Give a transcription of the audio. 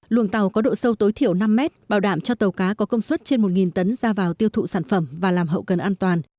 luồng tàu có độ sâu tối thiểu năm mét bảo đảm cho tàu cá có công suất trên một tấn ra vào tiêu thụ sản phẩm và làm hậu cần an toàn